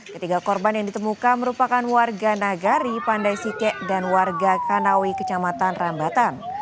ketiga korban yang ditemukan merupakan warga nagari pandai sike dan warga kanawi kecamatan rambatan